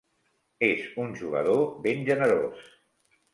És un jugador ben generós.